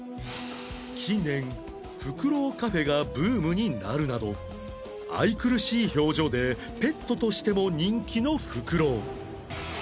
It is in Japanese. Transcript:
近年フクロウカフェがブームになるなど愛くるしい表情でペットとしても人気のフクロウ